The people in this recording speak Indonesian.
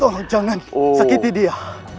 tolong jangan sakiti dia